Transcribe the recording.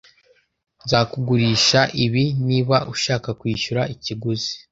Nzakugurisha ibi niba ushaka kwishyura ikiguzi.